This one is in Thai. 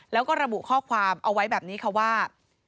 แล้วก็ระบุข้อความเอาไว้แบบนี้ค่ะว่า